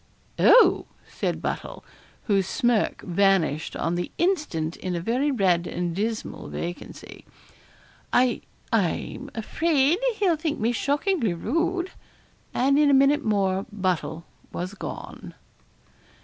'Oh!' said Buttle, whose smirk vanished on the instant in a very red and dismal vacancy, 'I I'm afraid he'll think me shockingly rude.' And in a minute more Buttle was gone.